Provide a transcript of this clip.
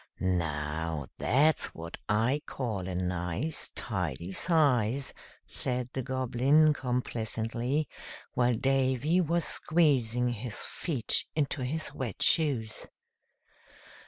"Now, that's what I call a nice, tidy size," said the Goblin, complacently, while Davy was squeezing his feet into his wet shoes.